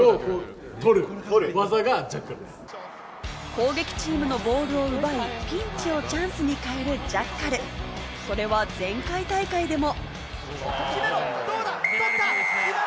攻撃チームのボールを奪い、ピンチをチャンスに変えるジャッカル、それは前回大会でも。